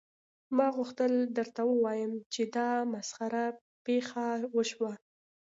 ما غوښتل درته ووایم چې دا مسخره پیښه وشوه